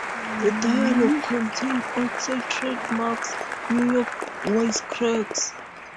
The dialogue contains Odets' trademark New York wisecracks.